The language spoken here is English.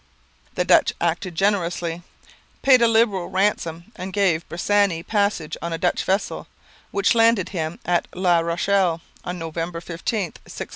The Dutch acted generously; paid a liberal ransom; and gave Bressani passage on a Dutch vessel, which landed him at La Rochelle on November 15, 1644.